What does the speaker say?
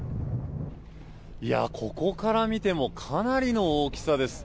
ここから見てもかなりの大きさです。